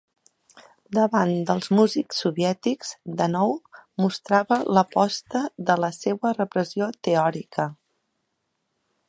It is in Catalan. Davant dels músics soviètics, Danov mostrava l'aposta de la seua repressió teòrica.